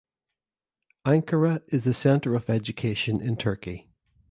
Ankara is the center of education in Turkey.